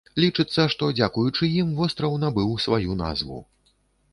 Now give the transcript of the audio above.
Лічыцца, што дзякуючы ім востраў набыў сваю назву.